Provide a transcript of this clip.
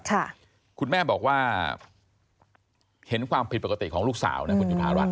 คุณแม่บอกว่าเห็นความผิดปกติของลูกสาวนะคุณจุธารัฐ